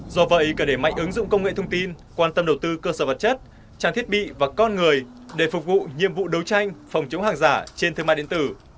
do vậy cần để mạnh ứng dụng công nghệ thông tin quan tâm đầu tư cơ sở vật chất trang thiết bị và con người để phục vụ nhiệm vụ đấu tranh phòng chống hàng giả trên thương mại điện tử